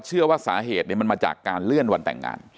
เชื่อว่าสาเหตุมันมาจากการเลื่อนวันแต่งงาน